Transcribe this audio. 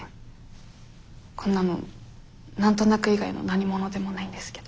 こんなの何となく以外の何物でもないんですけど。